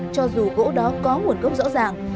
cho dù gỗ đó có nguồn gốc rõ ràng